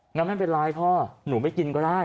งั้นไม่เป็นไรพ่อหนูไม่กินก็ได้